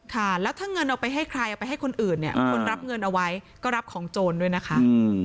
ค่ะแล้วถ้าเงินเอาไปให้ใครเอาไปให้คนอื่นเนี่ยคนรับเงินเอาไว้ก็รับของโจรด้วยนะคะ